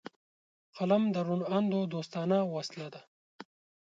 قلم د روڼ اندو دوستانه وسله ده